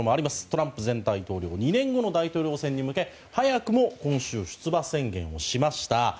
トランプ前大統領２年後の大統領選に向け早くも今週出馬宣言をしました。